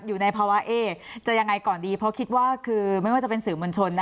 อยู่ในภาวะจะยังไงก่อนดีเพราะคิดว่าคือไม่ว่าจะเป็นสื่อมวลชน